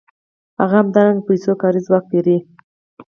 هغه همدارنګه په پیسو کاري ځواک پېري